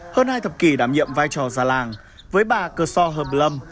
hơn hai thập kỷ đảm nhiệm vai trò gia làng với bà cơ sơ hợp lâm